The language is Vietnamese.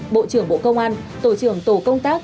bộ trưởng bộ công an tổ trưởng tổ công tác